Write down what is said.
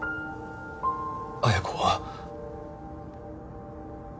彩子は？